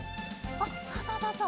おっそうそうそうそう。